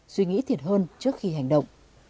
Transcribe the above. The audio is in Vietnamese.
suy nghĩ thiệt hơn trước khi hành động